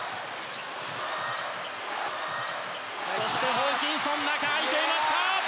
ホーキンソン中、空いていました。